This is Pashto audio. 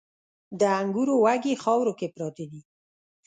د انګورو وږي خاورو کې پراته دي